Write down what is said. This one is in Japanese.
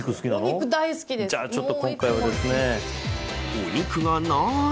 お肉がない。